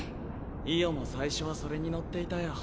イオも最初はそれに乗っていたよ。